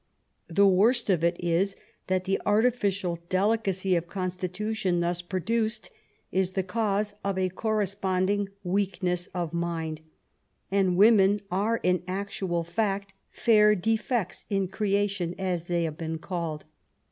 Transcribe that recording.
The worst of it is that the artificial delicacy of consti tution thus produced is the cause of a corresponding weakness of mind ; and women are in actual fact fair defects in creation, as they have been called.